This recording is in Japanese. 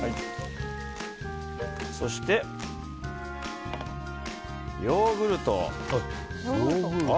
そして、ヨーグルト。